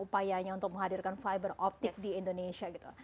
upayanya untuk menghadirkan fiber optik di indonesia gitu